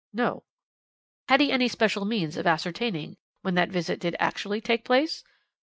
"'No.' "'Had he any special means of ascertaining when that visit did actually take place?'